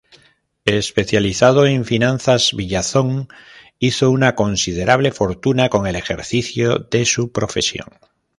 Especializado en finanzas, Villazón hizo una considerable fortuna con el ejercicio de su profesión.